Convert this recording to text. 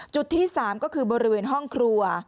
จุดที่๓ก็คือบริเวณห้องครัว